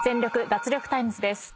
脱力タイムズ』です。